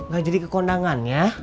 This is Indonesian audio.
gak jadi kekondangan ya